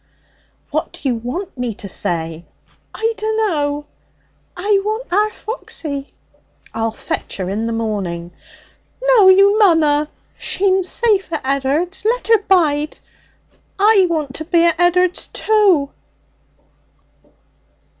'What do you want me to say?' 'I dunno. I want our Foxy.' 'I'll fetch her in the morning.' 'No, you munna. She'm safe at Ed'ard's. Let her bide. I want to be at Ed'ard's, too.'